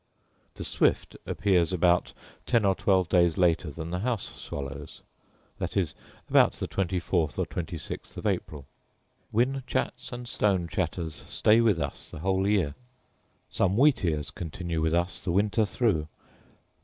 The swift appears about ten or twelve days later than the house swallow: viz., about the twenty fourth or twenty sixth of April. Whin chats and stone chattel stay with us the whole year. Some wheat ears continue with us the winter through.